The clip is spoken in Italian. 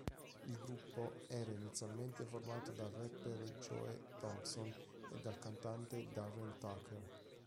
Il gruppo era inizialmente formato dal rapper Joe Thompson e dal cantante Darren Tucker.